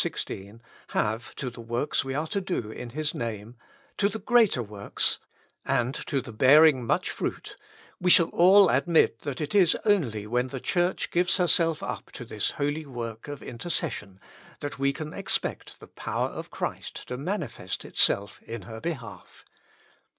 i6) have to the works we are to do in His Name, to the greater works, and to the bearing much fruit, we shall all admit that it is only when the Church gives herself up to this holy work of intercession that we can expect the power of Christ to manifest itself in her behalf.